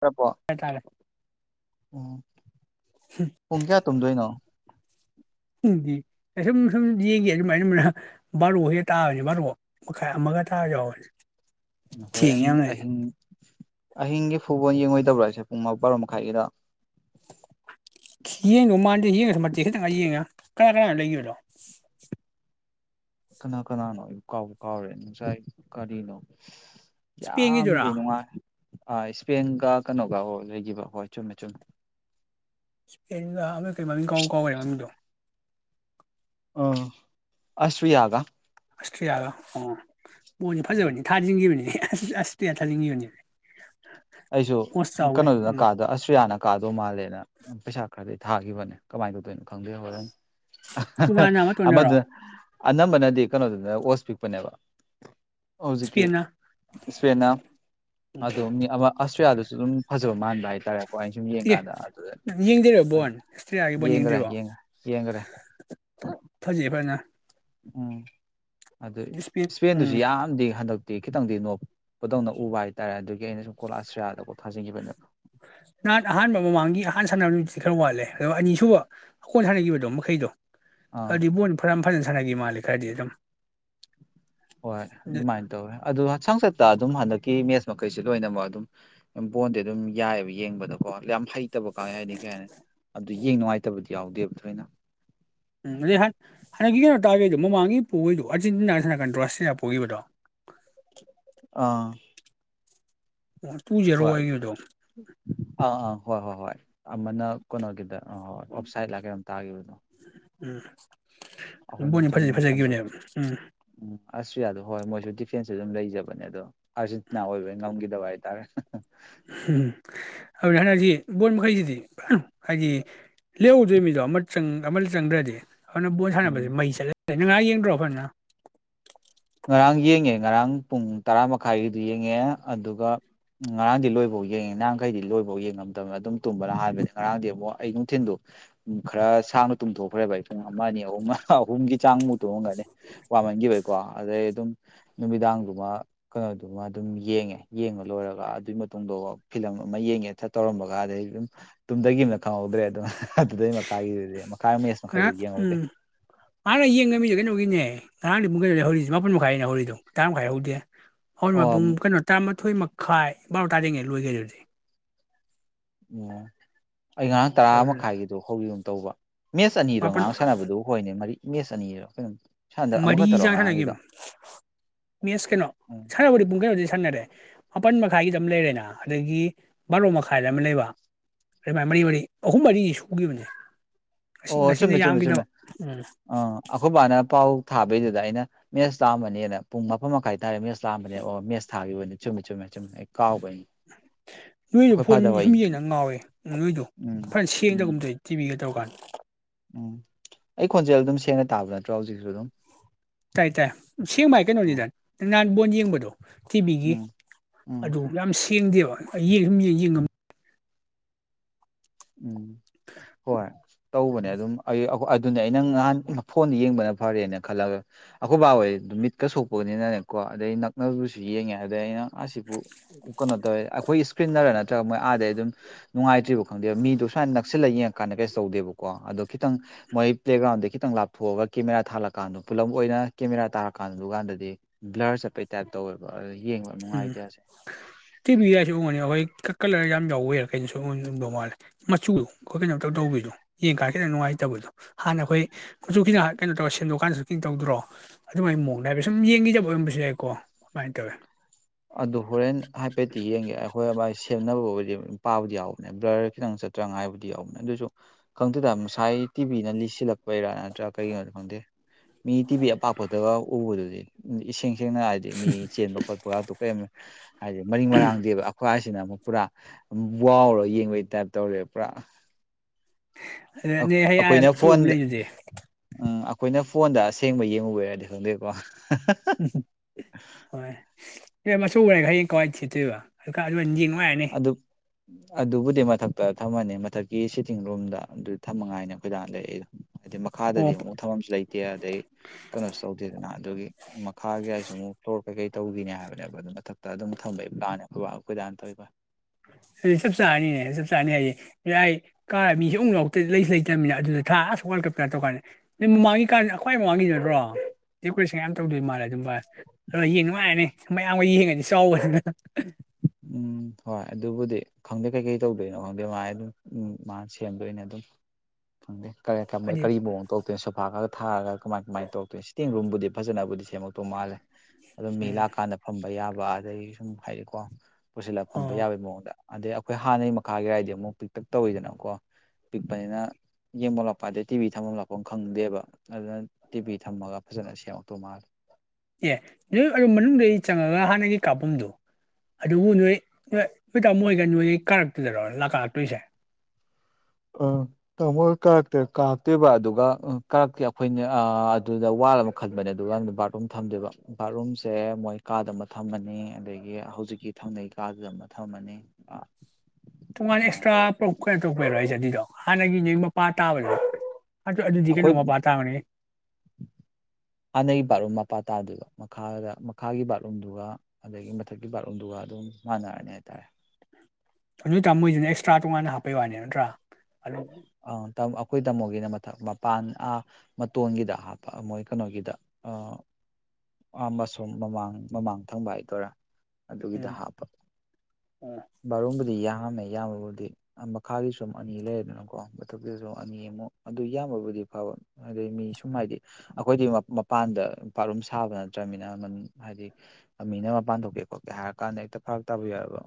ꯆꯄꯣ ꯍꯇꯥꯥꯔꯦ ꯎ ꯄꯨꯡ ꯀꯌꯥ ꯇꯨꯝꯗꯣꯏꯅꯣ ꯎ ꯁꯨꯝ ꯁꯨꯝ ꯌꯦꯡꯒ ꯑꯗꯨꯃꯥꯏꯅꯅ ꯕꯥꯔꯨ ꯍꯦꯛ ꯇꯥꯕꯅꯤꯅꯦ ꯕꯥꯔꯣ ꯃꯈꯥꯏ ꯑꯃꯒ ꯇꯥꯕ ꯌꯥꯎꯔꯅꯦ ꯍꯣꯔꯦꯟ ꯑꯍꯤꯡ ꯑꯍꯤꯡꯒꯤ ꯐꯨꯠꯕꯣꯜ ꯌꯦꯡꯉꯣꯏꯗꯕ꯭ꯔꯁꯦ ꯄꯨꯡꯕꯥꯔꯣ ꯃꯈꯥꯏꯒꯤꯗ ꯌꯦꯡꯉꯨ ꯃꯥꯟꯗꯦ ꯌꯦꯡꯉꯁꯨ ꯅꯠꯇꯦ ꯈꯤꯇꯪꯒ ꯌꯦꯡꯉ ꯀꯔꯥꯏ ꯀꯔꯥꯏꯅ ꯂꯩꯈꯤꯕꯣꯏꯅꯣ ꯀꯅꯥ ꯀꯅꯥꯅꯣ ꯑꯩ ꯀꯥꯎꯕꯨ ꯀꯥꯎꯔꯦ ꯉꯅꯨꯡꯁꯥꯏ ꯀꯔꯤꯅꯣ ꯏꯁꯄꯦꯟꯒꯤꯗꯨꯔꯥ ꯌꯥꯝꯗꯤ ꯅꯨꯡꯉꯥꯏ ꯏꯁꯄꯦꯟꯒ ꯀꯩꯅꯣꯒ ꯂꯩꯈꯤꯕ ꯍꯣꯏ ꯆꯨꯝꯃꯦ ꯆꯨꯝꯃꯦ ꯀꯩ ꯃꯃꯤꯡ ꯀꯥꯎ ꯀꯥꯎꯋꯦꯀꯪꯥꯡꯗꯣ ꯎꯝ ꯑꯁ꯭ꯨ ꯌꯥꯒ ꯑꯁꯇ꯭ꯔꯤꯂꯤꯌꯥꯒ ꯑꯣ ꯕꯣꯜꯁꯦ ꯐꯖꯕꯅꯤ ꯊꯥꯖꯤꯟꯈꯤꯕꯅꯤꯅꯦ ꯑ ꯑꯁ ꯀꯌꯥ [inaudible] ꯑꯩꯁꯨ ꯀꯩꯅꯣꯗꯨꯅ ꯀꯥꯗ ꯑꯁꯇ꯭ꯔꯤꯌꯥꯅ ꯀꯥꯗꯧ ꯃꯥꯜꯂꯦꯅ ꯄꯩꯁꯥ ꯈꯔꯗꯤꯩ ꯊꯥꯈꯤꯕꯅꯦ ꯀꯃꯥꯏꯅ ꯇꯧꯗꯣꯏꯅꯣ ꯈꯪꯗꯣꯏ ꯍꯣꯔꯪꯅꯤ ꯇꯣꯉꯥꯟꯅ ꯑꯃ ꯇꯣꯟꯅꯔꯣ ꯃꯗꯨ ꯑꯅꯝꯕꯅꯗꯤ ꯀꯩꯅꯣꯗꯨꯗ ꯑꯣꯁ ꯄꯤꯛꯄꯅꯦꯕ ꯍꯧꯖꯤꯛꯀꯤ ꯏꯁꯄꯦꯟꯅ ꯏꯁꯄꯦꯟꯅ ꯑꯗꯨ ꯃꯤ ꯑꯃ ꯑꯁꯇ꯭ꯔꯦꯂꯤꯌꯥꯗꯁꯨ ꯑꯗꯨꯝ ꯐꯖꯕ ꯃꯥꯟꯕ ꯍꯥꯏꯇꯥꯔꯦ ꯍꯣꯏ ꯁꯨꯝ ꯑꯦ ꯌꯦꯡꯀꯥꯟꯗ ꯑꯗꯨꯗ ꯅꯪ ꯌꯦꯡꯗ꯭ꯔꯤꯔꯣ ꯕꯣꯟ ꯑꯁꯇ꯭ꯔꯤꯌꯥꯒꯤ ꯕꯣꯟ ꯌꯦꯡꯈ꯭ꯔꯦ ꯌꯦꯡꯈ꯭ꯔꯦ ꯌꯦꯡꯈ꯭ꯔꯦ ꯐꯖꯩꯌꯦ ꯐꯖꯅ ꯎꯝ ꯑꯗꯨ ꯏꯁꯄꯦꯟ ꯎꯝ ꯏꯁꯄꯦꯟꯗꯨꯁꯨ ꯌꯥꯝꯗꯤ ꯍꯟꯗꯛ ꯇ ꯈꯤꯇꯪꯗꯤ ꯅꯣꯞꯄꯗꯧꯅ ꯎꯕ ꯍꯥꯏꯇꯥꯔꯦ ꯑꯗꯨꯒꯤ ꯑꯩꯅ ꯁꯨꯝ ꯀꯣꯂꯥꯥꯁꯔꯤꯌꯥꯗꯐꯥꯎ ꯊꯥꯖꯤꯟꯈꯤꯕꯅꯦꯕ ꯅꯍꯥꯟ ꯑꯍꯥꯟꯕ ꯃꯃꯥꯡꯒꯤ ꯑꯍꯥꯟ ꯁꯥꯟꯅꯕ ꯅꯨꯃꯤꯠꯇꯗꯤ ꯈꯔ ꯋꯥꯠꯂꯦ ꯑꯣ ꯑꯅꯤꯁꯨꯕ ꯑꯩꯀꯣꯟ ꯁꯥꯟꯅꯈꯤꯕꯗꯣ ꯃꯈꯩꯗꯣ ꯑꯥ ꯑꯗꯨꯗꯤ ꯕꯣꯟ ꯐꯔ ꯐꯖꯅ ꯁꯥꯟꯅꯈꯤ ꯃꯥꯂꯦ ꯈꯔꯗꯤ ꯑꯗꯨꯝ ꯍꯣꯏ ꯑꯗꯩ ꯑꯗꯨꯃꯥꯏꯅ ꯇꯧꯋꯦ ꯑꯗꯣ ꯁꯪꯆꯠꯇ ꯑꯗꯨꯝ ꯍꯟꯗꯛꯀꯤ ꯃꯦꯠꯁ ꯃꯈꯩꯁꯤ ꯂꯣꯏꯅꯃꯛ ꯑꯗꯨꯝ ꯕꯣꯟꯗꯤ ꯑꯗꯨꯝ ꯌꯥꯏꯑꯕ ꯌꯦꯡꯕꯗꯀꯣ ꯌꯥꯝ ꯍꯩꯇꯕ ꯀꯥꯟ ꯍꯥꯏꯗꯤ ꯀꯩ ꯍꯥꯏꯅꯤ ꯑꯗꯨ ꯌꯦꯡ ꯅꯨꯡꯉꯥꯏꯇꯕꯗꯤ ꯌꯥꯎꯗꯦꯕ ꯊꯣꯏꯅ ꯎꯝ ꯑꯗ ꯍꯟꯗꯛꯀꯤꯩꯅ ꯇꯥꯒꯗꯣ ꯃꯃꯥꯡꯒꯤ ꯄꯨꯈꯣꯏꯗꯣ ꯑꯥꯔꯖꯇꯤꯅꯥ ꯁ ꯍꯅꯥꯀꯥꯟꯗ ꯔꯁꯇ꯭ꯔꯤꯌꯥ ꯄꯨꯈꯤꯕꯗꯣ ꯑꯥ ꯑꯣ ꯇꯨ ꯖꯦꯔꯣ ꯍꯣꯏ ꯑꯩꯉꯗꯣ ꯑꯥ ꯑꯪ ꯍꯣꯏ ꯍꯣꯏ ꯍꯣꯏ ꯑꯃꯅ ꯀꯩꯅꯣꯒꯤꯗ ꯑꯥ ꯍꯣꯏ ꯍꯣꯏ ꯑꯣꯞꯁꯥꯏꯠ ꯂꯥꯛ ꯀꯝ ꯇꯥꯒꯤꯈꯤꯕꯗꯣ ꯎꯝ ꯑꯍꯨꯝ ꯅꯤ ꯐꯥꯅꯤ ꯆꯟ ꯆꯟꯗꯣꯏ ꯐꯖꯥꯒꯤꯦꯕꯅꯦ ꯎꯝ ꯎꯝ ꯑꯁꯁꯨ ꯌꯥꯗꯣ ꯍꯣꯏ ꯃꯣꯏꯁꯨ ꯗꯤꯐꯦꯟꯁꯁꯨ ꯑꯗꯨꯝ ꯂꯩꯖꯕꯅꯦ ꯑꯗꯣ ꯑꯔꯖꯤꯠꯅꯥ ꯑꯣꯏꯕꯩ ꯉꯝꯈꯤꯗꯕ ꯍꯥꯏꯇꯥꯔꯦ ꯎꯝ ꯑꯗꯨꯅ ꯍꯟꯗꯛꯁꯤ ꯕꯣꯠ ꯃꯈꯩꯁꯤꯗꯤ ꯍꯥꯏꯗꯤ ꯂꯍꯧꯗꯣꯏ ꯃꯤꯗꯣ ꯑꯃꯪ ꯑꯃ ꯆꯪꯗ꯭ꯔꯗꯤ ꯑꯗꯨꯅ ꯕꯣꯜ ꯁꯥꯟꯅꯕꯁꯦ ꯎꯝ ꯃꯩ ꯆꯠꯂ ꯅ ꯉꯥꯏ ꯌꯦꯡꯗ꯭ꯔꯣ ꯐꯖꯅ ꯉꯔꯥꯡ ꯌꯦꯡꯉꯦ ꯉꯔꯥꯡ ꯄꯨꯡ ꯇꯔꯥ ꯃꯈꯥꯏꯒꯤꯗꯨ ꯌꯦꯡꯉꯦ ꯑꯗꯨꯒ ꯉꯔꯥꯡꯗꯤ ꯂꯣꯏꯕꯧ ꯌꯦꯡꯉꯤ ꯅꯍꯥꯟꯈꯩꯗꯤ ꯂꯣꯏꯕꯧ ꯌꯦꯡꯉꯝꯗꯕꯅ ꯑꯗꯨꯝ ꯇꯨꯝꯕ ꯂ ꯍꯥꯏꯕꯅꯤ ꯉꯔꯥꯡꯗꯤ ꯑꯃꯨꯛ ꯑꯩ ꯅꯨꯡꯊꯤꯤꯟꯗ ꯈꯔ ꯁꯥꯡꯅ ꯇꯨꯝꯊꯣꯛꯈ꯭ꯔꯦꯕ ꯑꯩ ꯄꯨꯡ ꯑꯃ ꯑꯅꯤ ꯑꯍꯨꯝ ꯑꯍꯨꯝꯒꯤ ꯆꯥꯡꯃꯨꯛ ꯇꯣꯡꯉꯝꯒꯅꯤ ꯋꯥꯃꯟꯈꯤꯕꯩꯀꯣ ꯑꯗꯩ ꯑꯗꯨꯝ ꯅꯨꯃꯤꯗꯥꯡꯗꯨꯃ ꯀꯩꯅꯣꯗꯨꯃ ꯑꯗꯨꯝ ꯌꯦꯡꯉꯦ ꯌꯦꯡꯉ ꯂꯣꯏꯔꯒ ꯑꯗꯨꯒꯤ ꯃꯇꯨꯡꯗꯣ ꯐꯤꯂꯝ ꯑꯃ ꯌꯦꯡꯉꯦ ꯇꯧꯔꯝꯕꯒ ꯑꯗꯩ ꯑꯗꯨꯝ ꯇꯨꯝꯗꯒꯤ ꯑꯃꯅ ꯈꯪꯍꯧꯗ꯭ꯔꯦ ꯑꯗꯨꯅ ꯑꯗꯨꯗꯩ ꯃꯈꯥꯒꯤꯗꯨꯗꯤ ꯑꯃꯨꯛ ꯎꯝ ꯃꯥꯥꯟꯅ ꯌꯦꯡꯉꯃꯤꯗꯨ ꯀꯩꯅꯣꯒꯤꯅꯦ ꯉꯔꯥꯡꯗꯤꯃꯨꯡ ꯀꯩꯗ ꯂꯩ ꯍꯧꯔꯤꯦ ꯃꯥꯄꯟ ꯃꯈꯥꯏꯅꯦ ꯍꯧꯔꯤꯗꯣ ꯇꯔꯥꯃ ꯃꯈꯥꯏ ꯍꯧꯗꯦ ꯍꯣꯏ ꯃ ꯑꯣ ꯎꯝ ꯄꯨꯡ ꯀꯩꯅꯣ ꯇꯔꯥꯃꯥꯊꯣꯏ ꯃꯈꯥꯏ ꯕꯥꯔꯣ ꯇꯥꯗꯉꯩ ꯂꯣꯏꯒꯗꯗꯤ ꯎ ꯑꯩ ꯉꯥꯡ ꯇꯔꯥ ꯃꯈꯥꯏꯒꯤꯗꯨ ꯍꯧꯖꯤꯒ ꯇꯧꯕ ꯃꯦꯠꯁ ꯑꯅꯤꯔꯣ ꯃꯥꯄꯜ ꯉꯔꯥꯡ ꯁꯥꯟꯅꯕꯗꯨ ꯍꯣꯏꯅꯦ ꯃꯔꯤ ꯃꯦꯖ ꯑꯅꯤꯌꯦꯕ ꯀꯩꯅꯣ ꯃꯔꯤ ꯆꯥ ꯁꯥꯟꯅꯈꯤꯕ ꯃꯦꯁ ꯀꯩꯅꯣ ꯎꯝ ꯁꯥꯟꯅꯕꯗꯤ ꯄꯨꯡ ꯀꯩꯅꯣꯗꯤ ꯁꯥꯟꯅꯔꯦ ꯃꯥꯄꯟ ꯃꯈꯥꯏꯒꯤꯗ ꯑꯃ ꯂꯩꯔꯦꯅ ꯑꯗꯒꯤ ꯕꯥꯔꯣ ꯃꯈꯥꯏꯗ ꯑꯃ ꯂꯩꯕ ꯑꯗꯨꯃꯥꯏ ꯃꯔꯤ ꯃꯔꯤ ꯑꯍꯨꯝ ꯃꯔꯤ ꯁꯨꯈꯤꯕꯅꯦ ꯑꯣ ꯉꯁꯤꯅ ꯆꯨꯝꯃꯦ ꯆꯨꯝꯃꯦ ꯌꯥꯝꯒꯤꯗꯕ ꯆꯨꯝꯃꯦ ꯎꯝ ꯑꯥ ꯑꯩꯈꯣꯏꯕꯥꯅ ꯄꯥꯎ ꯊꯥꯕꯩꯗꯨꯗ ꯑꯩꯅ ꯃꯦꯁ ꯂꯥꯛꯑꯝꯕꯅꯦꯅ ꯄꯨꯡ ꯃꯐꯝ ꯃꯈꯥꯏ ꯇꯥꯔꯦ ꯃꯦꯁ ꯂꯥꯛꯑꯝꯕꯅꯦ ꯑꯣ ꯃꯦꯁ ꯊꯥꯒꯤ ꯑꯣꯏꯅ ꯆꯨꯝꯃꯦ ꯆꯨꯝꯃꯦ ꯆꯨꯝꯃꯦ ꯀꯥꯎꯕ ꯅꯣꯏꯗ ꯐꯣꯟ ꯁꯨꯝ ꯌꯦꯡꯅ ꯉꯥꯎꯋꯦ ꯅꯣꯏꯗꯣ ꯎꯝ ꯐꯔꯅ ꯎꯝ ꯁꯦꯡꯗꯒꯨꯝꯗꯣꯏ ꯇꯤꯚꯤꯒ ꯇꯧꯒꯥꯟ ꯎꯝ ꯑꯩ ꯈꯣꯟꯖꯦꯜ ꯑꯗꯨꯝ ꯁꯦꯡꯅ ꯇꯥꯕ ꯅꯠꯇ꯭ꯔꯣ ꯍꯧꯖꯤꯛꯁꯨ ꯑꯗꯨꯝ ꯇꯥꯏ ꯇꯥꯏ ꯁꯦꯡꯕ ꯍꯥꯏ ꯀꯩꯅꯣꯅꯤꯗ ꯎꯝ ꯅꯍꯥꯟ ꯕꯣꯟ ꯌꯦꯡꯕꯗꯣ ꯇꯤꯚꯤꯒꯤ ꯎꯝ ꯎꯝ ꯑꯗꯨ ꯌꯥꯝ ꯁꯦꯡꯗꯦꯕ ꯑꯩ ꯌꯦꯡ ꯁꯨꯝ ꯌꯦꯡ ꯌꯦꯡꯉꯝ ꯎꯝ ꯍꯣꯏ ꯇꯧꯕꯅꯦ ꯑꯗꯨꯝ ꯑꯩ ꯑꯗꯨꯅꯦ ꯑꯩꯅꯪ ꯅꯍꯥꯟ ꯐꯣꯟꯗ ꯌꯦꯡꯕꯅ ꯐꯔꯦꯅ ꯈꯜꯂꯒ ꯑꯩꯈꯣꯏ ꯕꯥ ꯍꯣꯏ ꯑꯗꯨ ꯃꯤꯠꯀ ꯁꯣꯛꯄꯒꯅꯤꯅꯅꯦꯀꯣ ꯑꯗꯩ ꯅꯛꯅꯕꯗꯨꯁꯨ ꯌꯦꯡꯉꯦ ꯑꯗꯩ ꯑꯩꯅ ꯑꯥ ꯁꯤꯕꯨ ꯀꯩꯅꯣ ꯇꯧꯋꯦ ꯑꯩꯈꯣꯏ ꯏꯁꯀ꯭ꯔꯤꯟꯟꯅꯔ ꯅꯠꯇ꯭ꯔꯒ ꯃꯣꯏ ꯑꯥꯗꯩ ꯑꯗꯨꯝ ꯅꯨꯡꯉꯥꯏꯇ꯭ꯔꯤꯕꯀꯣ ꯈꯪꯗꯦꯕ ꯃꯤꯗꯣꯨꯥꯏꯅ ꯅꯛꯁꯤꯜꯂꯒ ꯌꯦꯡꯉ ꯀꯥꯟꯗ ꯀꯩꯁꯨ ꯇꯧꯗꯦꯕꯀ ꯑꯗꯣ ꯈꯤꯇꯪ ꯃꯣꯏ ꯄ꯭ꯂꯦꯒ꯭ꯔꯥꯎꯟꯗ ꯈꯤꯇꯪ ꯂꯥꯞꯊꯣꯛꯑꯒ ꯀꯦꯃꯦꯔꯥ ꯊꯥꯜꯂꯀꯥꯟꯗꯣ ꯄꯨꯂꯞ ꯑꯣꯏꯅ ꯀꯦꯃꯦꯔꯥ ꯇꯥꯔ ꯀꯥꯟꯗꯨ ꯀꯥꯟꯗꯗꯤ ꯕ꯭ꯂꯔ ꯆꯠꯄꯩ ꯇꯥꯏꯞ ꯇꯧꯋꯦꯕ ꯑꯗꯨ ꯌꯦꯡꯕ ꯅꯨꯡꯉꯥꯏꯇꯦꯔꯁꯦ ꯇꯤꯕꯤꯤ ꯀꯏꯁꯨ ꯎꯡꯉꯅꯤ ꯑꯩꯈꯣꯏ ꯀꯂꯔ ꯌꯥꯝ ꯌꯥꯎꯋꯔ ꯀꯩꯅꯣꯁꯨ ꯎꯝꯗꯧ ꯃꯥꯜꯂꯦ ꯃꯆꯨꯗꯣ ꯑꯩꯈꯣꯏ ꯀꯩꯅꯣꯝꯇ ꯇꯧꯕꯤꯗꯣ ꯌꯦꯡ ꯀꯥꯟ ꯈꯤꯇꯪ ꯅꯨꯡꯉꯥꯏꯇꯕꯗꯣ ꯍꯥꯟꯅ ꯑꯩꯈꯣꯏ ꯀꯁꯨ ꯈꯤꯅ ꯀꯩꯅꯣ ꯇꯧꯔ ꯁꯦꯝꯗꯣꯛꯀꯥꯟꯗꯁꯨ ꯈꯤꯇ ꯇꯧꯗ꯭ꯔꯣ ꯑꯗꯨꯃꯥꯏꯅ ꯃꯑꯣꯡꯗ ꯍꯥꯏꯕ ꯁꯨꯝ ꯌꯦꯡꯈꯤꯖꯕ ꯑꯣꯏꯔꯝꯕꯁꯨ ꯌꯥꯏꯀꯣ ꯑꯗꯨꯃꯥꯏꯅ ꯇꯧꯋꯦ ꯑꯗꯨ ꯍꯣꯔꯦꯟ ꯍꯥꯏꯐꯦꯠꯇꯤ ꯌꯦꯡꯒꯦ ꯍꯣꯏꯕꯥꯥꯏ ꯁꯦꯝꯅꯕꯕꯨꯗꯤ ꯄꯥꯕꯨꯗꯤ ꯌꯥꯎꯕꯅꯦ ꯕ꯭ꯂꯔ ꯈꯤꯇꯪ ꯆꯠꯇ꯭ꯔꯉꯥꯏꯕꯨꯗꯤ ꯌꯥꯎꯕꯅꯦ ꯑꯗꯨꯁꯨ ꯈꯪꯗꯦꯗ ꯉꯁꯥꯏ ꯇꯤꯚꯅ ꯂꯤꯁꯤꯜꯂꯛꯄꯩꯔꯥ ꯅꯠꯇ꯭ꯔꯥ ꯀꯩꯒꯤꯅꯣ ꯈꯪꯗꯦ ꯃꯤ ꯇꯤꯚ ꯑꯄꯥꯛꯄꯗꯒ ꯎꯕꯗꯨꯗꯤ ꯏꯁꯦꯡ ꯁꯦꯡꯅ ꯍꯥꯏꯔꯗꯤ ꯃꯤ ꯆꯦꯟꯕ ꯈꯣꯠꯄꯒ ꯀꯩ ꯍꯥꯏꯗꯤ ꯃꯔꯤ ꯃꯔꯥꯡꯗꯦꯕ ꯑꯩꯈ꯭ꯋꯥꯏꯁꯤꯅ ꯑꯃꯨꯛ ꯄꯨꯔꯥ ꯋꯥꯎꯔꯣ ꯌꯦꯡꯕꯩ ꯇꯥꯏꯞ ꯇꯧꯔꯦ ꯄꯨꯔꯥ ꯑꯗꯨꯅꯦ ꯍꯌꯦꯡ ꯑꯥ ꯑꯩꯈꯣꯏꯅ ꯑꯆꯧꯕ ꯑꯃ ꯐꯣꯟꯗ ꯂꯩꯗꯨꯗꯤ ꯎꯝ ꯑꯈꯣꯏꯅ ꯐꯣꯟꯗ ꯑꯁꯦꯡꯕ ꯌꯦꯡꯉꯨꯕꯩꯔꯗꯤ ꯈꯪꯗꯦꯀꯣ ꯎꯝ ꯍꯣꯏ ꯏ ꯃꯆꯨ ꯍꯌꯦꯡ ꯀꯋꯥꯏ ꯊꯤꯠꯇꯣꯏꯕ ꯊꯤꯠꯀꯥꯟ ꯌ‌ꯦꯡ ꯅꯨꯡꯉꯥꯏꯔꯅꯤ ꯗꯨꯞ ꯑꯗꯨꯕꯨꯗꯤ ꯃꯊꯛꯇ ꯊꯝꯃꯅꯤ ꯃꯊꯛꯀꯤ ꯁꯤꯇꯤꯡ ꯔꯨꯝꯗ ꯑꯗꯨꯗꯤ ꯊꯝꯃꯉꯥꯏꯅꯦ ꯑꯩꯈꯣꯏꯗꯥ ꯂꯩꯔꯛꯏꯗꯣ [inaudible] ꯈꯥꯗꯗꯤ ꯑꯃꯨꯛ ꯊꯝꯕꯝꯁꯨ ꯂꯩꯇꯦ ꯑꯗꯩ ꯀꯅꯣꯁꯨ ꯇꯧꯗꯦꯗꯅ ꯑꯗꯨꯒꯤ ꯃꯈꯥꯒꯤ ꯑꯥꯏꯁꯨ ꯑꯃꯨꯛ ꯐ꯭ꯂꯣꯔ ꯀꯩꯀꯩ ꯇꯧꯒꯤꯅꯦ ꯍꯥꯏꯕꯅꯦꯕ ꯑꯗꯨ ꯃꯊꯛꯇ ꯑꯗꯨꯝ ꯊꯝꯕꯩ ꯄ꯭ꯂꯥꯟꯅꯦ ꯑꯈꯣꯏ ꯕ ꯑꯈꯣꯏꯗꯥꯅ ꯇꯧꯏꯕꯥꯏ ꯆꯞ ꯆꯥꯅꯤꯅꯦ ꯆꯞ ꯆꯥꯔꯅꯤ ꯍꯥꯗꯤ [unintelligible] ꯀꯥ ꯃꯤꯁꯨ ꯑꯃꯨꯛ ꯌꯥꯥꯎꯛꯇꯝ ꯂꯩꯁꯨ ꯂꯩꯇꯝꯃꯤꯅꯤ ꯑꯗꯨꯗ ꯊꯥ ꯑꯁ ꯋꯥꯔꯞꯀꯄ ꯇꯧ ꯀꯥꯟꯗ ꯃꯃꯥꯡꯒꯤ ꯀꯥꯟ ꯑꯩꯈ꯭ꯋꯥ ꯃꯃꯥꯡꯒꯤ ꯅꯠꯇ꯭ꯔꯣ ꯀꯨꯔꯤꯁꯌꯥꯝ ꯇꯧꯗꯣꯏ ꯃꯥꯜꯂꯦ ꯑꯗꯨꯝ ꯃꯥ ꯍꯅ ꯌꯦꯡ ꯅꯨꯡꯉꯥꯏꯔꯅꯤ ꯃꯌꯥꯝꯒ ꯌꯦꯡꯉꯗꯤ ꯆꯥꯎꯕꯅꯤꯅ ꯎꯝ ꯍꯣꯏ ꯑꯗꯨꯕꯨꯗꯤ ꯈꯪꯗꯦ ꯀꯩꯀꯩ ꯇꯧꯗꯣꯏꯅꯣ ꯈꯪꯗꯦ ꯃꯥꯥꯏ ꯑꯗꯨꯝ ꯎꯝ ꯃꯥꯟ ꯁꯦꯝꯗꯣꯏꯅꯦ ꯑꯗꯨꯝ ꯈꯪ ꯀ ꯍꯥꯏꯗꯤ ꯃꯑꯣꯡ ꯇ ꯑꯗꯨꯣꯏꯅ ꯁꯣꯐꯥ ꯈꯒ ꯊꯥꯔꯒ ꯀꯃꯥꯏ ꯀꯃꯥꯏ ꯇꯧꯛꯇꯣꯏꯅꯣ ꯁꯤꯇꯤꯡ ꯔꯨꯝꯕꯨꯗꯤ ꯐꯖꯅꯕꯨꯗꯤ ꯁꯦꯝꯃꯛꯇꯧ ꯃꯥꯜꯂꯦ ꯑꯗꯨꯝ ꯃꯤ ꯂꯥꯛꯀꯥꯟꯗ ꯐꯝꯕ ꯌꯥꯕ ꯑꯗꯩ ꯁꯨꯝ ꯍꯥꯏꯗꯤꯀꯣ ꯄꯨꯁꯤꯜꯂꯒ ꯐꯝꯕ ꯑꯣ ꯌꯥꯕꯩ ꯃꯑꯣꯡꯗ ꯑꯗꯩ ꯑꯩꯈꯣꯏ ꯍꯥꯟꯅꯒꯤ ꯃꯈꯥꯒꯤ ꯔꯥꯏꯗꯤ ꯑꯃꯨꯛ ꯄꯤꯛꯇꯛ ꯇꯧꯋꯤꯗꯅꯀꯣ ꯄꯤꯛꯄꯅꯤꯅ ꯌꯦꯡꯕ ꯂꯛꯄꯗꯥꯏ ꯇꯤꯚꯤ ꯊꯝꯃꯝꯂꯥꯛꯄꯝ ꯈꯪꯗꯦꯕ ꯑꯗꯨꯅ ꯇꯦꯚꯤ ꯊꯝꯃꯒ ꯐꯖꯅ ꯁꯦꯝꯃꯛꯇꯣ ꯃꯥꯜꯂꯤ ꯑꯦ ꯅꯣꯏ ꯑꯗꯨ ꯃꯅꯨꯡꯗꯩ ꯆꯪꯉꯒ ꯍꯥꯟꯅꯒꯤ ꯀꯥꯞꯄꯝꯗꯨ ꯑꯗꯨꯕꯨ ꯅꯣꯏ ꯅꯣꯏ ꯅꯣꯏ ꯇꯥꯃꯣꯏꯒ ꯅꯣꯏ ꯀꯥꯔꯛꯇꯗꯔꯣ ꯂꯥꯛꯀꯂꯛꯇꯣꯏꯁꯦ ꯑꯥ ꯇꯥꯃꯣ ꯀꯥꯔꯛꯇ ꯀꯥꯞꯇꯦꯕ ꯑꯗꯨꯒ ꯑ ꯀꯥꯔꯛꯀꯤ ꯑꯩꯈꯣꯏꯅ ꯑꯥ ꯑꯗꯨꯗ ꯋꯥꯜ ꯑꯃ ꯈꯟꯕꯅꯦ ꯑꯗꯨꯒꯟꯗ ꯔꯨꯝ ꯊꯝꯗꯦꯕ ꯕꯥꯠꯔꯨꯝꯁꯦ ꯃꯣꯏ ꯀꯥꯗ ꯑꯃ ꯊꯝꯃꯅꯤ ꯑꯗꯒꯤ ꯍꯧꯖꯤꯛꯀꯤ ꯊꯝꯅꯩ ꯀꯥꯗꯨꯗ ꯃ ꯊꯝꯃꯅꯤ ꯊ‌ꯣꯡꯒꯥꯟ ꯑꯗꯨꯃꯥꯏꯅ ꯑꯦꯛꯁꯇ꯭ꯔꯥ ꯇꯧꯔꯒ ꯄꯨꯔꯞ ꯀꯩꯅꯣ ꯇꯧꯔꯛꯄ‌ꯩꯔꯣ ꯑꯗꯨꯏꯗ‌ꯣ ꯍꯥꯟꯅꯒꯤ‌ ꯅꯩ ꯃꯄꯥ ꯇꯥꯕꯩꯔ‌ꯣ ꯑꯗꯨ ꯑꯗꯨꯗꯤ ꯀꯩꯅꯣ ꯑꯩꯈꯣꯏ ꯃꯄꯥ ꯇꯥꯃꯅꯤ ꯍꯥꯟꯅꯩ ꯕꯥꯠꯔꯨꯝ ꯃꯄꯥ ꯇꯥꯗꯣꯏꯕ ꯃꯈꯥꯗ ꯃꯈꯥꯒꯤ ꯕꯥꯠꯂꯨꯝꯗꯨꯒ ꯑꯗꯒꯤ ꯃꯊꯛꯀꯤ ꯕꯥꯠꯔꯨꯝꯗꯨꯒ ꯑꯗꯨꯝ ꯃꯥꯟꯅꯔꯅꯤ ꯍꯥꯏꯇꯥꯔꯦ ꯑꯗꯨ ꯑꯣꯏꯇꯥ ꯃꯣꯏꯁꯤꯅ ꯑꯦꯛꯁꯇ꯭ꯔꯥ ꯇꯣꯉꯥꯟꯅ ꯍꯥꯞꯄꯩ ꯋꯥꯅꯦ ꯅꯠꯇ꯭ꯔꯥ ꯑꯗꯨ ꯑ ꯇꯥꯝ ꯑꯩꯈꯣꯏ ꯇꯥꯃꯣꯒꯤꯅ ꯃꯊꯛ ꯃꯄꯥꯟ ꯑꯥ ꯃꯇꯣꯟꯒꯤꯗ ꯍꯥꯞꯄ ꯑꯃꯣꯏ ꯀꯅꯣꯒꯤꯗ ꯑ ꯑꯝ ꯑꯁ‌ꯣꯝ ꯃꯃꯥꯡ ꯃꯃꯥꯡ ꯊꯪꯕ ꯍꯥꯏꯗꯣꯏꯔꯥ ꯑꯗꯨꯒꯤꯗ ꯎꯝ ꯍꯥꯞꯄ ꯎꯝ ꯕꯥꯔꯣꯝꯕꯨꯗꯤ ꯌꯥꯝꯉꯦ ꯌꯥꯝꯕꯕꯨꯗꯤ ꯃꯈꯥꯒꯤꯁꯨ ꯑꯅꯤ ꯂꯩꯔꯗꯅꯀꯣ ꯃꯊꯇꯁꯨ ꯑꯅꯤ ꯑꯃꯨꯛ ꯑꯗꯨ ꯌꯥꯝꯃꯕꯨꯗꯤ ꯐꯕ ꯑꯗꯩ ꯃꯤ ꯁꯨꯝ ꯍꯥꯏꯗꯤ ꯑꯩꯈꯣꯏꯗꯤ ꯃꯞ ꯃꯄꯥꯟꯗ ꯄꯥꯔꯨꯝ ꯁꯥꯕ ꯅꯠꯇ꯭ꯔꯅꯤꯅ ꯃꯜ ꯍꯥꯏꯗꯤ ꯑꯥ ꯃꯤꯅ ꯃꯄꯥꯟ ꯊꯣꯛꯀꯦ ꯈꯣꯠꯀꯦ ꯍꯥꯏꯔ ꯀꯥꯟꯗ ꯍꯦꯛꯇ ꯐꯔꯛ ꯇꯥꯕ ꯌꯥꯎꯏꯕ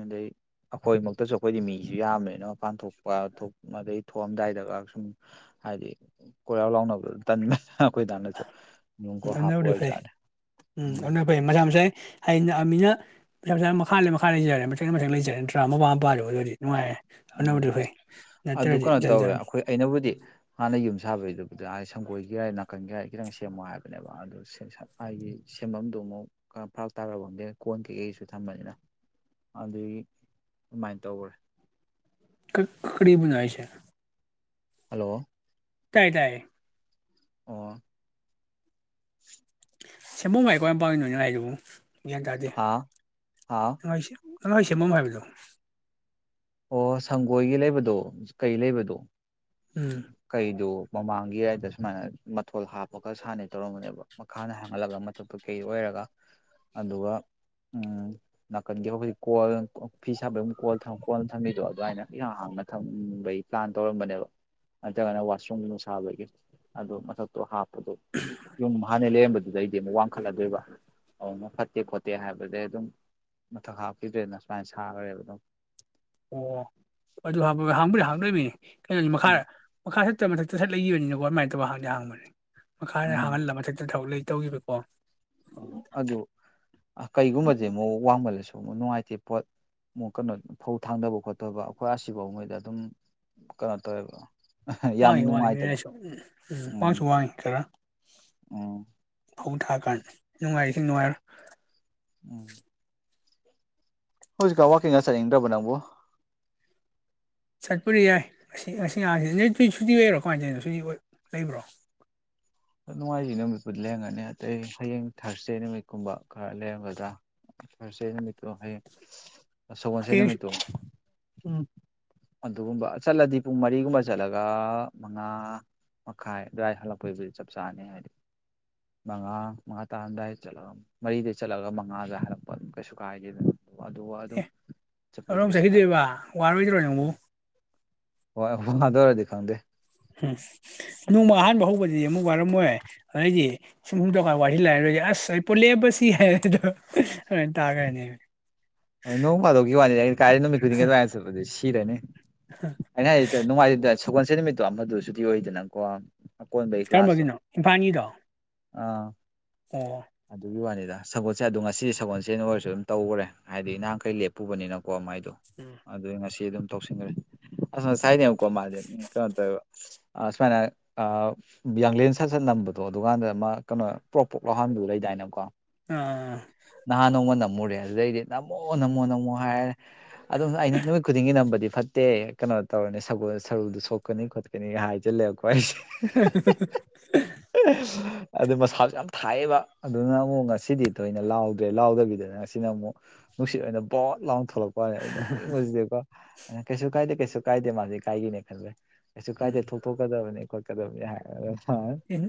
ꯑꯗꯨꯗꯩ ꯑꯈꯣꯏ ꯃꯛꯇꯁꯨ ꯑꯈꯣꯏꯗꯤ ꯃꯤꯁꯨ ꯌꯥꯝꯃꯅꯤꯅ ꯃꯄꯥꯟ ꯊꯣꯛꯄ ꯊꯣꯛ ꯑꯗꯩ ꯊꯣꯛꯑꯝꯗꯥꯏꯗꯒꯥꯛ ꯁꯨꯝ ꯍꯥꯏꯗꯤ ꯀꯣꯏꯔꯥꯎ ꯂꯥꯎꯅꯕꯗꯨ ꯇꯟꯕꯅꯤꯅ ꯑꯈ‌ꯣꯏ ꯗꯥꯅꯁꯨ ꯀꯣꯛ ꯍꯥꯞꯄ ꯐꯕꯨꯗꯤ ꯐꯩ ꯑꯣꯏꯔꯖꯥꯠꯅꯦ ꯎꯝ ꯑꯗꯨꯅ ꯐꯩ ꯃꯁꯥ ꯃꯁꯥꯏ ꯍꯥꯏ ꯅꯛ ꯑꯃꯤꯅ ꯃꯁꯥ ꯃꯁꯥ ꯃꯈꯥ ꯂꯩ ꯃꯈꯥ ꯂꯩꯖꯔꯦ ꯃꯊꯛꯅ ꯃꯊꯛ ꯂꯩꯖꯔꯦ ꯅꯠꯇ꯭ꯔꯥ ꯃꯄꯥ ꯃꯄꯥꯗ ꯑꯗꯨꯗꯤ ꯅꯨꯡꯉꯥꯏꯔꯦ ꯎꯝ ꯑꯗꯨꯅꯕꯨꯗꯤ ꯐꯩ ꯑꯗꯨ ꯅꯠꯇ꯭ꯔꯗꯤ ꯀꯩꯅꯣ ꯇꯧꯋꯦ ꯖꯟꯖꯥꯟꯅꯤ ꯑꯩꯈꯣꯏ ꯑꯩꯅꯕꯨꯗꯤ ꯍꯥꯟꯅ ꯌꯨꯝ ꯁꯥꯕꯩꯗꯨꯕꯨꯗꯤ ꯍꯥꯏꯗꯤ ꯁꯪꯒꯣꯏꯒꯤ ꯌꯥꯏ ꯅꯥꯀꯟꯒꯤ ꯌꯥꯏ ꯈꯤꯇꯪ ꯁꯦꯝꯃꯣ ꯍꯥꯏꯕꯅꯦꯕ ꯑꯗꯨ ꯍꯥꯏꯗꯤ ꯁꯦꯝꯐꯝꯗꯨ ꯑꯃꯨꯛ ꯐꯔꯥꯛ ꯇꯥꯔꯕꯗ ꯀꯣꯟ ꯀꯩꯀꯩꯁꯨ ꯊꯝꯕꯅꯤꯅ ꯑꯗꯨꯗꯒꯤ ꯑꯗꯨꯃꯥꯏꯟ ꯇꯧꯒ꯭ꯔꯦ ꯀ ꯀꯔꯤꯕꯨꯅꯣ ꯍꯥꯏꯁꯦ ꯍꯜꯂꯣ ꯇꯥꯏ ꯇꯥꯏꯌꯦ ꯑꯣ ꯁꯦꯝꯕꯨꯡ ꯍꯥꯏ ꯀꯋ꯭ꯥꯏꯝ ꯅ‌ꯣꯏ ꯅ‌ ꯍꯥꯏꯗꯨꯕꯨ ꯒ꯭ꯌꯥꯟ ꯇꯥꯗꯦ ꯍꯥꯥ ꯍꯥꯥ ꯅꯨꯡꯉꯥꯏꯁꯤ ꯅꯣ ꯍ‌ꯣꯏ ꯁꯦꯝꯃꯝꯃꯨ ꯍꯥꯏꯕꯗꯣ ꯑꯣ ꯁꯪꯒꯣꯏꯒꯤ ꯂꯩꯕꯗꯣ ꯀꯩ ꯂꯩꯕꯗꯣ ꯎꯝ ꯀꯩꯗꯨ ꯃꯃꯥꯡꯒꯤ ꯑꯥꯏꯗ ꯁꯨꯃꯥꯏꯅ ꯃꯊꯣꯜ ꯍꯥꯞꯄꯒ ꯁꯥꯟꯅꯤ ꯇꯧꯔꯝꯝꯕꯅꯦꯕ ꯃꯈꯥꯗ ꯍꯥꯡꯍꯜꯂꯒ ꯃꯊꯛꯇꯨ ꯀꯩ ꯑꯣꯏꯔꯒ ꯑꯗꯨꯒ ꯎꯝ ꯅꯥꯀꯟꯒꯤ ꯍꯧꯖꯤꯛ ꯀꯣꯜ ꯐꯤ ꯁꯥꯕ ꯑꯗꯨꯝ ꯀꯣꯜ ꯀꯣꯜ ꯊꯝꯕꯤꯗꯣ ꯑꯗꯨꯃꯥꯏꯅ ꯏꯍꯥꯡ ꯍꯥꯡꯅ ꯊꯝꯕꯩ ꯄ꯭ꯂꯥꯟ ꯇꯧꯔꯝꯕꯅꯦꯕ ꯅꯠꯇ꯭ꯔꯒꯅ ꯋꯥꯁꯔꯨꯝ ꯃꯅꯨꯡ ꯁꯥꯕꯒꯤ ꯑꯗꯨ ꯃꯊꯛꯇꯨ ꯍꯥꯞꯄꯗꯣ ꯌꯨꯝ ꯍꯥꯟꯅ ꯂꯩꯔꯝꯕꯗ ꯑꯗꯨꯗꯩꯗꯤ ꯑꯃꯨꯛ ꯋꯥꯡꯈꯠꯂꯗꯣꯏꯕ ꯑꯗꯨ ꯐꯠꯇꯦ ꯈꯣꯠꯇꯦ ꯍꯥꯏꯕꯗꯩ ꯑꯗꯨꯝ ꯃꯊꯛ ꯍꯥꯞꯈꯤꯗ꯭ꯔꯦꯅ ꯁꯨꯃꯥꯏꯟ ꯁꯥꯈ꯭ꯔꯦꯕ ꯑꯗꯨꯝ ꯑꯣ ꯑꯗꯨ ꯍꯞꯄ ꯍꯥꯡꯕꯨꯗꯤ ꯍꯥꯡꯗ‌ꯣꯏꯃꯤꯅꯦ ꯀꯩꯅꯣꯅꯤ ꯎꯝ ꯃꯈꯥꯗ ꯃꯈꯥ ꯁꯠꯇꯕ ꯃꯊꯛꯇ ꯁꯠ ꯂꯩꯈꯤꯕꯅꯤꯅꯀꯣ ꯑꯗꯨꯃꯥꯏꯅ ꯇꯧꯕ ꯍꯗꯤ ꯍꯥꯡꯕꯅꯤ ꯃꯈꯥꯗ ꯎꯝ ꯍꯥꯡꯍꯜꯂ ꯃꯊꯛꯇ ꯊꯛ ꯂꯩ ꯇꯧꯈꯤꯕ ꯑꯣ ꯎꯝ ꯑꯗꯨ ꯀꯩꯒꯨꯝꯕꯗꯤ ꯑꯃꯨꯛ ꯋꯥꯡꯃꯜꯂꯁꯨ ꯑꯃꯨꯛ ꯅꯨꯡꯉꯥꯏꯇꯦ ꯄꯣꯠ ꯃꯨꯛ ꯀꯩꯅꯣ ꯐꯧ ꯊꯥꯡꯗꯕ ꯈꯣꯠꯇꯕ ꯑꯩꯈꯣꯏ ꯑꯁꯤꯐꯥꯎ ꯃꯩꯗ ꯑꯗꯨꯝ ꯀꯩꯅꯣ ꯇꯧꯋꯦꯕ ꯌꯥꯝ ꯋꯥꯡꯉꯤ ꯋꯥꯡꯉꯤ ꯅꯣꯏ ꯅꯨꯡꯉꯥꯏꯇꯕ ꯑꯩꯁꯨ ꯎꯝ ꯎꯝ ꯋꯥꯡꯁꯨ ꯋꯥꯡꯉꯤ ꯈꯔ ꯎꯝ ꯐꯧ ꯊꯥꯔꯀꯥꯟ ꯅꯨꯡꯉꯥꯏꯔꯤꯁꯤ ꯅꯨꯡꯉꯥꯏꯔ ꯎꯝ ꯍꯧꯖꯤꯛꯀ ꯋꯥꯀꯤꯡꯒ ꯆꯠꯅꯤꯡꯗ꯭ꯔꯕ ꯅꯪꯕꯨ ꯆꯠꯄꯔꯤ ꯌꯥꯏ ꯉ ꯉꯁꯤ ꯉꯍꯥꯡꯁꯤꯗꯤ ꯅꯨꯏ ꯁꯨꯇꯤ ꯑꯣꯏꯔꯣ ꯀꯃꯥꯏꯅ ꯇꯧꯅꯣ ꯁꯨꯇꯤ ꯂꯩꯕ꯭ꯔꯣ ꯅꯨꯡꯉꯥꯏꯖꯤ ꯅꯨꯃꯤꯠꯄꯨꯗꯤ ꯂꯩꯔꯝꯒꯅꯤ ꯑꯗꯩ ꯍꯌꯦꯡ ꯊꯥꯔꯁꯗꯦ ꯅꯨꯃꯤꯠꯀꯨꯝꯕ ꯈꯔ ꯂꯩꯔꯝꯒꯗ꯭ꯔꯥ ꯊꯔꯁꯗꯦ ꯅꯨꯃꯤꯠꯇꯨ ꯍꯩꯌꯦ ꯍꯁ ꯎꯝ ꯑꯗꯨꯒꯨꯝꯕ ꯆꯠꯂꯗꯤ ꯄꯨꯡ ꯃꯔꯤꯒꯨꯝꯕ ꯆꯠꯂꯒ ꯃꯉꯥ ꯃꯈꯥꯏ ꯑꯗꯨꯋꯥꯏꯗ ꯍꯜꯂꯛꯄꯩꯕꯨꯗꯤ ꯆꯞ ꯆꯥꯅ ꯍꯥꯏꯗꯤ ꯃꯉꯥ ꯃꯉꯥ ꯇꯥꯔꯝꯗꯥꯏꯗ ꯆꯠꯂꯒ ꯃꯔꯤꯗꯩ ꯆꯠꯂꯒ ꯃꯉꯥꯗ ꯍꯥꯏꯜꯂꯛꯄ ꯑꯗꯨꯝ ꯀꯩꯁꯨ ꯀꯥꯏꯗꯦꯗꯅ ꯑꯗꯨꯒ ꯑꯗꯨꯝ ꯑꯦ ꯀꯔꯣ ꯆꯠꯄꯕꯨꯗꯤ ꯀꯩꯁꯨ ꯀꯥꯏꯗꯦ ꯆꯠꯈꯤꯗꯣꯏꯕ ꯋꯥꯔꯣꯏꯗꯔꯣ ꯅꯪꯕꯨ ꯍꯣꯏ ꯋꯥ ꯗꯨ ꯑꯣꯏꯔꯗꯤ ꯈꯪꯗꯦ ꯎꯝ ꯅꯣꯡꯃ ꯑꯍꯥꯟꯕ ꯍꯧꯕꯗꯤ ꯑꯃꯨꯛ ꯋꯥꯔꯝꯃꯣꯏ ꯑꯗꯩꯗꯤ ꯁꯨꯝ ꯌꯨꯝ ꯇꯧꯀ ꯋꯥꯖꯤꯜꯂꯦ ꯂꯥꯏꯔꯣꯏꯒꯦ ꯑꯁ ꯑꯩ ꯄꯨ ꯂꯦꯞꯄꯁꯤ ꯍꯥꯏꯔꯦ ꯑꯗꯣ ꯑꯗꯨꯃꯥꯏꯟ ꯇꯥꯒꯔꯥꯅꯦ [unintelligible] ꯅꯣꯡꯃꯥꯗꯧꯒꯤ ꯋꯥꯅꯤꯩꯅ ꯀꯥꯏꯔꯦ ꯅꯨꯃꯤꯠ ꯈꯨꯗꯤꯡꯒꯤ ꯑꯗꯨꯋꯥꯥꯏꯅ ꯆꯠꯄꯗꯤ ꯁꯤꯔꯅꯤ ꯑꯩꯅ ꯍꯥꯏ ꯅꯨꯡꯉꯥꯏꯇ ꯁꯒꯣꯜꯁꯦ ꯅꯨꯃꯤꯠꯇꯣ ꯑꯃꯗꯨ ꯁꯨꯇꯤ ꯑꯣꯏꯗꯅ ꯀꯣ ꯑꯀ‌ꯣꯟꯕꯩ ꯀ꯭ꯂꯥꯁꯇꯨ ꯀꯔꯝꯕꯒꯤꯅꯣ ꯏꯝꯐꯥꯜꯒꯤꯗꯣ ꯑꯥ ꯑꯣ ꯑꯗꯨꯒꯤ ꯋꯥꯅꯤꯗ ꯁꯒꯣꯜꯁꯦ ꯑꯗꯨ ꯉꯁꯤꯗꯤ ꯁꯒꯣꯜꯁꯦꯟ ꯑꯣꯏꯔꯁꯨ ꯑꯗꯨꯝ ꯇꯧꯒ꯭ꯔꯦ ꯍꯥꯏꯗꯤ ꯅꯍꯥꯟꯈꯩ ꯂꯦꯞꯄꯨꯕꯅꯤꯅꯀꯣ ꯃꯥꯏꯗꯨ ꯎꯝ ꯑꯗꯨꯏ ꯉꯁꯤ ꯑꯗꯨꯝ ꯇꯧꯁꯤꯟꯒꯔꯦ ꯑꯁ ꯉꯁꯥꯏꯅꯦꯕꯀꯣ ꯃꯥꯗꯤ ꯀꯅꯣ ꯇꯧꯋꯦꯕ ꯑ ꯁꯃꯥꯏꯅ ꯑ ꯌꯥꯡꯂꯦꯟ ꯁꯠꯁꯠ ꯅꯝꯕꯗꯣ ꯑꯗꯨꯒꯥꯟꯗ ꯑꯃ ꯀꯩꯅꯣ ꯄ꯭ꯔꯣꯛ ꯄ꯭ꯔꯣꯛ ꯂꯩꯗꯥꯏꯅ‌ꯦ ꯀ‌ꯣ ꯑꯥ ꯅꯍꯥꯟ ꯅꯣꯡꯃ ꯅꯝꯃꯨꯔꯦ ꯑꯗꯨꯗꯩꯗꯤ ꯅꯝꯃꯣ ꯅꯝꯃꯣ ꯅꯝꯃꯣ ꯍꯥꯏꯔꯦ ꯑꯗꯨꯁꯨ ꯑꯩꯅ ꯅꯨꯃꯤꯠ ꯈꯨꯗꯤꯡꯒꯤ ꯅꯝꯕꯗꯤ ꯐꯠ ꯇꯦ ꯀꯩꯅꯣ ꯇꯧꯔꯅꯤ ꯁꯔꯨꯗꯨ ꯁꯣꯛꯀꯅꯤ ꯈꯣꯠꯀꯅꯤ ꯍꯥꯏꯖꯤꯜꯂ‌ꯦ ꯀꯣꯏꯁ [unintelligible] ꯑꯗꯨ ꯃꯁꯥꯁꯨ ꯌꯥꯝ ꯊꯥꯏꯌꯦꯕ ꯑꯗꯨꯅ ꯑꯃꯨꯛ ꯉꯁꯤꯗꯤ ꯊꯣꯏꯅ ꯂꯥꯎꯗ꯭ꯔꯦ ꯂꯥꯎꯗꯕꯤꯗꯅ ꯉꯁꯤꯅ ꯑꯃꯨꯛ ꯅꯨꯡꯁꯤꯠ ꯑꯣꯏꯅ ꯕꯣꯠ ꯂꯥꯎꯟ ꯊꯣꯛꯂꯛꯄ ꯋꯅꯦ ꯑꯩꯩ ꯅꯣꯛꯅꯤꯡꯕꯖꯤꯗꯤꯀꯣ ꯀꯩꯁꯨ ꯀꯥꯏꯗꯦ ꯀꯩꯁꯨ ꯀꯥꯏꯗꯦ ꯃꯥꯗꯤ ꯏꯀꯥꯏꯒꯦꯅꯦ ꯈꯜꯂꯦ ꯀꯩꯁꯨ ꯀꯥꯏꯗꯦ ꯎꯝ ꯊꯣꯛ ꯇꯣꯛꯀꯗꯕꯅꯤ ꯈꯣꯠꯀꯗꯕꯅꯤ ꯍꯥꯏꯔꯒ ꯃꯥꯅ ꯎꯝ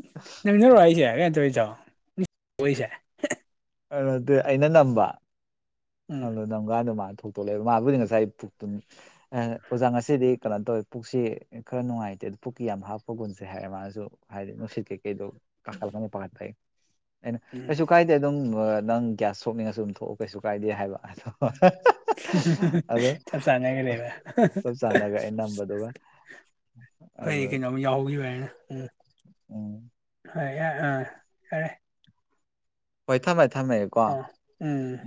ꯅꯃꯤꯟꯅꯔꯣ ꯑꯩꯁꯦ ꯀꯩꯅ ꯇꯧꯔꯤꯗꯁꯦ ꯑ ꯑꯗꯨ ꯑꯩꯅ ꯅꯝꯕ ꯎꯝ ꯅꯝꯒꯥꯟꯗ ꯃꯥ ꯊꯣꯛꯇꯣꯛ ꯂꯩꯛꯏꯕ ꯃꯥꯕꯨꯗꯤ ꯉꯁꯥꯏ꯫ ꯑꯣꯖꯥ ꯉꯁꯤꯗꯤ ꯀꯩꯅꯣ ꯇꯧꯋꯤ ꯄꯨꯛꯁꯤ ꯈꯔ ꯅꯨꯡꯉꯥꯏꯇꯦ ꯑꯗꯨ ꯄꯨꯛꯀꯤ ꯌꯥꯝ ꯍꯥꯞꯄ ꯒꯨꯟꯁꯦ ꯍꯥꯏꯔꯦ ꯃꯥꯅꯁꯨ꯫ ꯍꯥꯏꯗꯤ ꯅꯨꯡꯁꯤꯠ ꯀꯩꯀꯩꯗꯣ ꯀꯥꯡꯈꯠ ꯂꯛꯀꯅꯤ ꯄꯥꯈꯠꯄꯩ ꯑꯩꯅ ꯎꯝ ꯀꯩꯁꯨ ꯀꯥꯏ꯫ ꯑꯗꯨꯝ ꯅꯪ ꯒ꯭ꯌꯥꯁ ꯊꯣꯛꯅꯤꯡꯉꯁꯨ ꯑꯗꯨꯝ ꯊꯣꯛꯑꯣ ꯀꯩꯁꯨ ꯀꯥꯏꯗꯦ ꯍꯥꯏꯕ ꯑꯗꯣ ꯑꯗꯣ ꯆꯞ ꯆꯅꯒ ꯂꯩꯕ ꯆꯞ ꯆꯥꯅꯒ ꯑꯩ ꯅꯝꯕꯗꯨꯒ ꯑꯗꯨ ꯐꯩ ꯀꯩꯅꯣꯝ ꯌꯥꯎꯒꯤ ꯅꯦ ꯎꯝ ꯎꯝ꯫ ꯍꯣꯏ ꯌꯥꯔ‌ꯦ ꯑꯥ ꯐꯥꯔꯦ꯫ ꯍꯣꯏ ꯊꯝꯃꯦ ꯊꯝꯃꯦ ꯀꯣ ꯑ ꯎꯝ